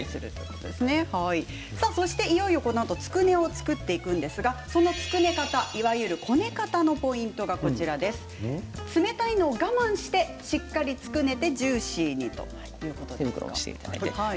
いよいよ、このあとつくねを作っていくんですがそのつくね方いわゆる、こね方のポイントが冷たいのを我慢してしっかりつくねてジューシーにということなんですね。